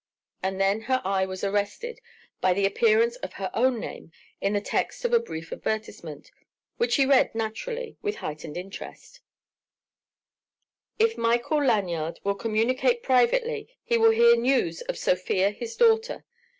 And then her eye was arrested by the appearance of her own name in the text of a brief advertisement, which she read naturally, with heightened interest: IF MICHAEL LANYARD will communicate privately he will hear news of Sofia his daughter.